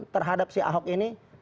terhadap si ahok ini